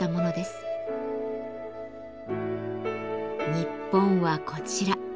日本はこちら。